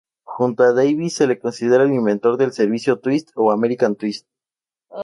Junto a Davis, se lo considera el inventor del servicio twist o American twist.